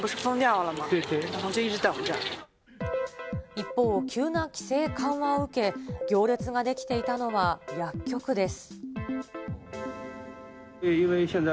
一方、急な規制緩和を受け、行列が出来ていたのは薬局です。